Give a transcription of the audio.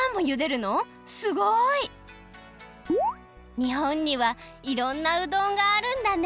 にほんにはいろんなうどんがあるんだね！